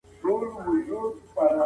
چې قدر یې هر څوک پېژني.